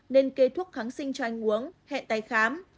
nên kê thuốc kháng sinh cho anh uống hẹn tay khám